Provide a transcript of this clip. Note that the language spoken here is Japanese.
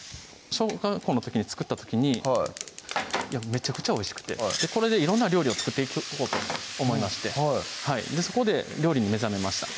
小学校の時に作った時にめちゃくちゃおいしくてこれで色んな料理を作っていこうと思いましてそこで料理に目覚めました